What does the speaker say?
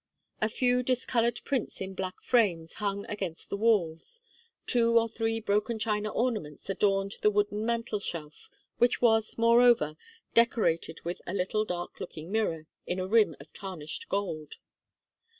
A few discoloured prints in black frames hung against the walls; two or three broken china ornaments adorned the wooden mantel shelf, which was, moreover, decorated with a little dark looking mirror in a rim of tarnished gold.